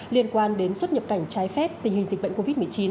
liên quan đến xuất nhập cảnh trái phép tình hình dịch bệnh covid một mươi chín